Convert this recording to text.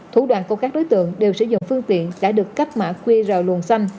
thủ đoàn công các đối tượng đều sử dụng phương tiện đã được cắp mã qr luồng xanh